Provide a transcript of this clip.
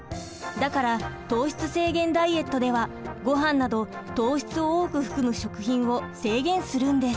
だから糖質制限ダイエットではごはんなど糖質を多く含む食品を制限するんです。